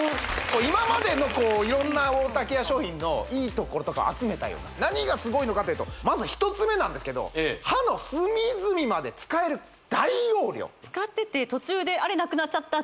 今までの色んなウォーターケア商品のいいところとか集めたような何がすごいのかっていうとまず１つ目なんですけど歯の隅々まで使える大容量そこなんです